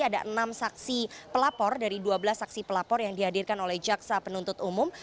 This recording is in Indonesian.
ada enam saksi pelapor dari dua belas saksi pelapor yang dihadirkan oleh jaksa penuntut umum